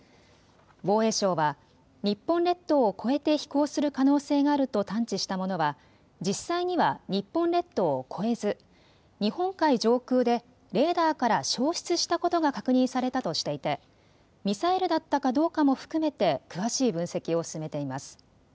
防衛省は日本列島を越えて飛行する可能性があると探知したものは実際には日本列島を越えず日本海上空でレーダーから消失したことが確認されたとしていてミサイルだったかどうかも含めて詳しい分析を進めています。